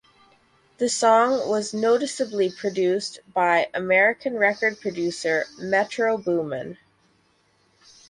The song was noticeably produced by American record producer Metro Boomin.